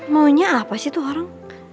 maunya apa sih tuh orang